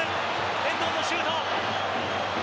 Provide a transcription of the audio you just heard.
遠藤のシュート！